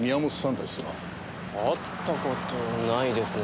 会った事ないですね。